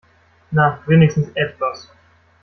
Na, wenigstens etwas.